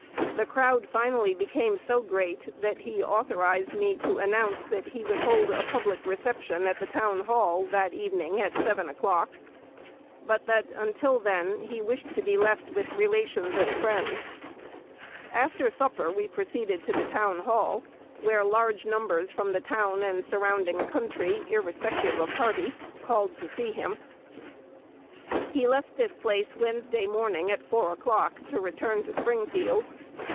The crowd finally became so great, that he authorized me to announce that he would hold a public reception at the Town Hall that evening at seven o'clock; but that, until then, he wished to be left with relations and friends. After supper he proceeded to the Town Hall, where large numbers from the town and surrounding country, irrespective of party, called to see him. "He left this place Wednesday morning at four o'clock to return to Springfield....